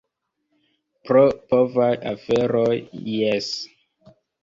Pro povaj aferoj, jes.